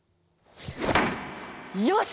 よし！